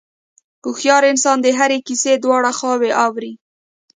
هوښیار انسان د هرې کیسې دواړه خواوې اوري.